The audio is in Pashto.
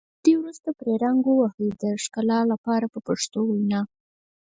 له دې وروسته پرې رنګ ووهئ د ښکلا لپاره په پښتو وینا.